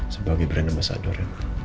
sebagai beranama sadur